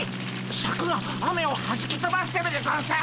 シャクが雨をはじきとばしてるでゴンス。